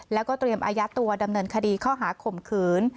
แล้วก็เตรียมอายัดตัวดำเนินคดีข้อหาข่มขืน